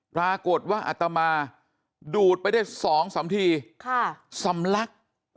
ปรากฏว่าอัตมาดูดไปได้๒๓ทีสำลัก